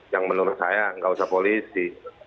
yang menurut saya nggak usah polisi